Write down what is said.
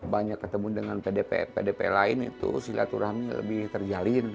banyak ketemu dengan pdp lain itu silaturahmi lebih terjalin